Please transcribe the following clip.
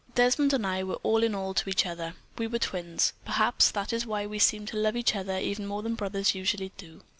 Desmond and I were all in all to each other. We were twins. Perhaps that was why we seemed to love each other even more than brothers usually do.